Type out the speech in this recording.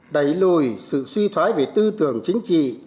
đẩy lùi sự suy thoái về tư tưởng chính trị